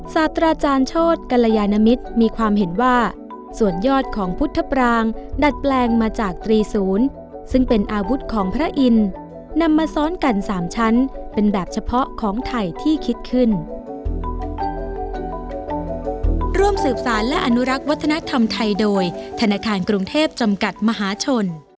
ศาสตราจารย์โชธกรยานมิตรมีความเห็นว่าส่วนยอดของพุทธปรางดัดแปลงมาจากตรีศูนย์ซึ่งเป็นอาวุธของพระอินทร์นำมาซ้อนกัน๓ชั้นเป็นแบบเฉพาะของไทยที่คิดขึ้น